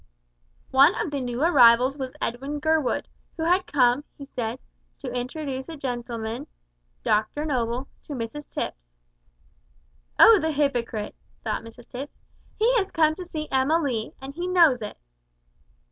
One of the new arrivals was Edwin Gurwood, who had come, he said, to introduce a gentleman Dr Noble to Mrs Tipps. "Oh, the hypocrite!" thought Mrs Tipps; "he has come to see Emma Lee, and he knows it."